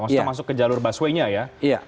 maksudnya masuk ke jalur busway nya ya